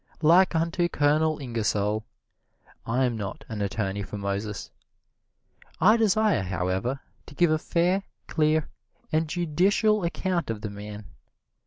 Like unto Colonel Ingersoll, I am not an attorney for Moses. I desire, however, to give a fair, clear and judicial account of the man.